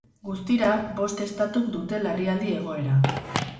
Guztira, bost estatuk dute larrialdi egoera.